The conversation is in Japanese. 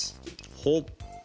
ほっ。